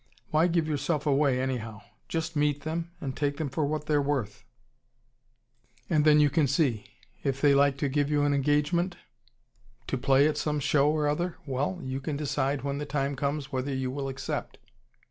Why give yourself away, anyhow? Just meet them and take them for what they're worth and then you can see. If they like to give you an engagement to play at some show or other well, you can decide when the time comes whether you will accept.